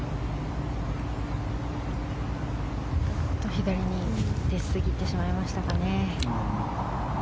左に出すぎてしまいましたかね。